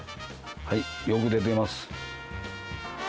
はいよく出てます。